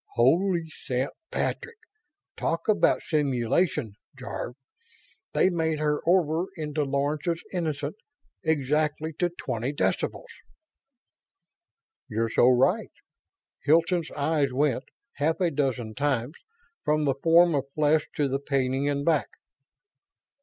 "Holy Saint Patrick! Talk about simulation, Jarve! They've made her over into Lawrence's 'Innocent' exact to twenty decimals!" "You're so right." Hilton's eyes went, half a dozen times, from the form of flesh to the painting and back.